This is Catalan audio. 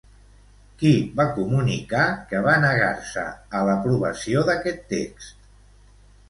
Qui va comunicar que va negar-se a l'aprovació d'aquest text?